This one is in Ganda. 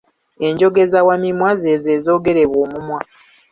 Enjogeza wamimwa z’ezo ezoogerebwa omumwa.